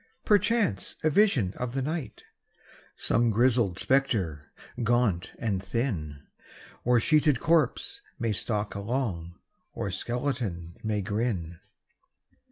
Perchance a vision of the night, Some grizzled spectre, gaunt and thin, Or sheeted corpse, may stalk along, Or skeleton may grin.